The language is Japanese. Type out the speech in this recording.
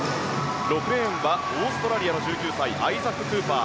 ６レーンはオーストラリアの１９歳アイザック・クーパー。